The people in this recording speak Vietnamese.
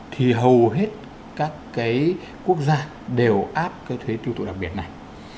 thì hầu hết các cái quốc gia đều áp cái thuế tiêu thụ đặc biệt này